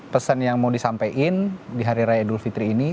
pesan yang mau disampaikan di hari raya idul fitri ini